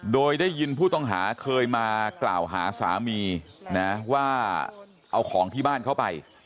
โดยได้ยินผู้ต้องหาเคยมากล่าวหาสามีนะว่าเอาของที่บ้านเข้าไป